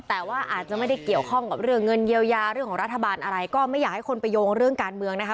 แต่ว่าอาจจะไม่ได้เกี่ยวข้องกับเรื่องเงินเยียวยาเรื่องของรัฐบาลอะไรก็ไม่อยากให้คนไปโยงเรื่องการเมืองนะคะ